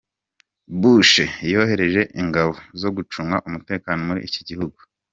Bush yohereje ingabo , zo gucunga umutekano muri iki gihugu.